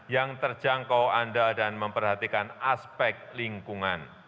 yang terjangkau anda dan memperhatikan aspek lingkungan